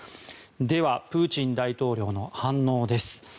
では、プーチン大統領の反応です。